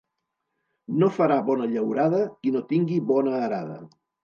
No farà bona llaurada qui no tingui bona arada.